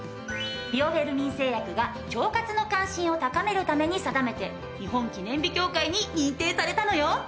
ビオフェルミン製薬が腸活の関心を高めるために定めて日本記念日協会に認定されたのよ。